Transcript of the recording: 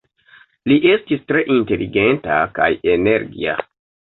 Li estis tre inteligenta kaj energia.